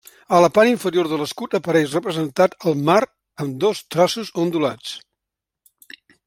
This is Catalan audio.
A la part inferior de l'escut apareix representat el mar amb dos traços ondulats.